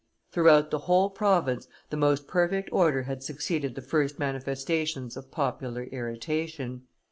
Throughout the whole province the most perfect order had succeeded the first manifestations of popular irritation.